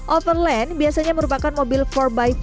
overland biasanya merupakan mobil empat x empat